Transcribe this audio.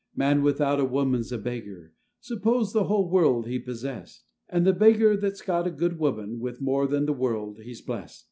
Man without a woman's a beggar, Suppose the whole world he possessed; And the beggar that's got a good woman, With more than the world he is blest.